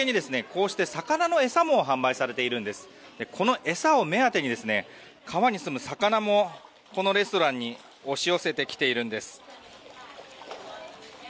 この餌を目当てに川に住む魚もこのレストランに押し寄せてきているんです。